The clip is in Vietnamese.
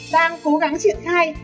đang cố gắng triển khai